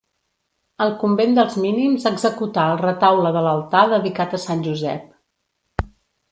Al convent dels mínims executà el retaule de l'altar dedicat a Sant Josep.